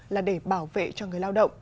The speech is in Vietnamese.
là để bảo vệ cho người lao động